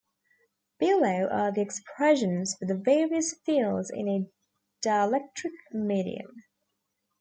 Below are the expressions for the various fields in a dielectric medium.